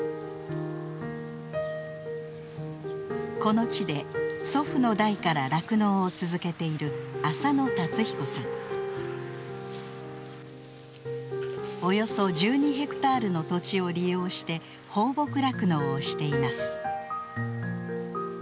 この地で祖父の代から酪農を続けているおよそ１２ヘクタールの土地を利用して放牧酪農をしています。